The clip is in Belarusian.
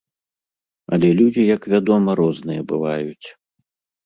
Але людзі, як вядома, розныя бываюць.